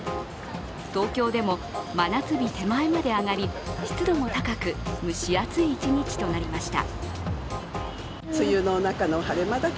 東京でも真夏日手前まで上がり湿度も高く蒸し暑い一日となりました。